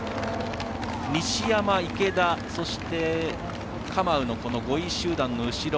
西山、池田、そしてカマウの５位集団の後ろ